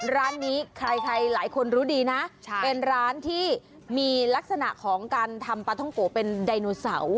ร้านนี้ใครหลายคนรู้ดีนะเป็นร้านที่มีลักษณะของการทำปลาท่องโกะเป็นไดโนเสาร์